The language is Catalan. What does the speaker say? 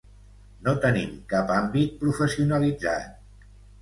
No tenim cap àmbit professionalitzat.